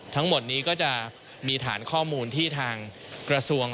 ทั้งหมดนี้ก็จะมีฐานข้อมูลที่ทางกระทรวง